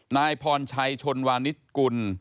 นายพรชัยชนวานิสกุล